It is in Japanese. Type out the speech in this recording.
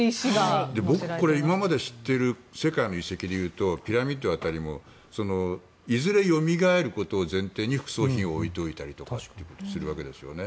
僕これ、今まで知っている世界の遺跡でいうとピラミッド辺りもいずれよみがえることを前提に副葬品を置いておいたりとかってことをするわけですよね。